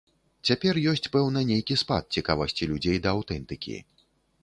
Цяпер ёсць, пэўна, нейкі спад цікавасці людзей да аўтэнтыкі.